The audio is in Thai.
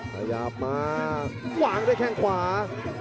ขยับมาวางด้วยแข้งขวา